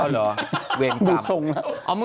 เอ้าเหรอเวรความ